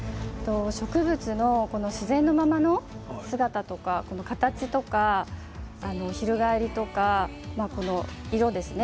植物の自然なままの姿とか形とか翻りとかこの色ですね。